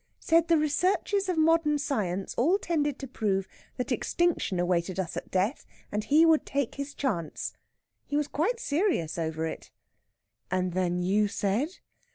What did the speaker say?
"Said the researches of modern science all tended to prove that extinction awaited us at death, and he would take his chance. He was quite serious over it." "And then you said?..."